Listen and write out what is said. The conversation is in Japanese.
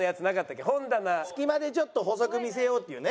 隙間でちょっと細く見せようっていうね。